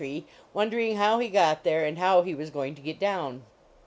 HOUSEHOLD PETS wondering how he got there and how he was going to get down.